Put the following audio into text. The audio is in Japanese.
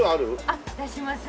あっ出しますね。